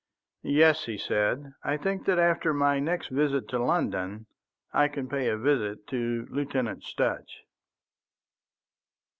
"Yes," he said, "I think that after my next visit to London I can pay a visit to Lieutenant Sutch."